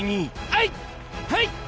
はい！